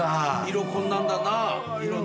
色こんなんだよ。